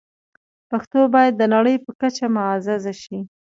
پښتو باید د نړۍ په کچه معزز شي.